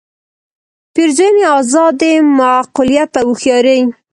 پېرزوینې آزادۍ معقولیت او هوښیارۍ.